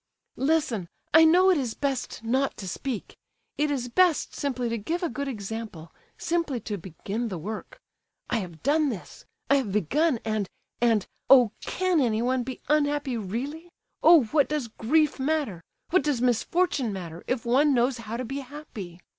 "Listen—I know it is best not to speak! It is best simply to give a good example—simply to begin the work. I have done this—I have begun, and—and—oh! can anyone be unhappy, really? Oh! what does grief matter—what does misfortune matter, if one knows how to be happy?